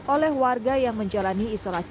oleh warga yang menjalani isolasi